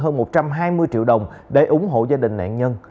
hơn một trăm hai mươi triệu đồng để ủng hộ gia đình nạn nhân